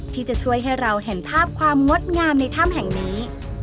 ที่จะช่วยให้เราเห็นภาพความงดงามในถ้ำแห่งนี้